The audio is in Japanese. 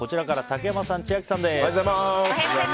竹山さん、千秋さんです。